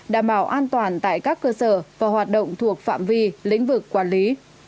đảm bảo an toàn tại các cơ sở và hoạt động thuộc phạm vi lĩnh vực quản lý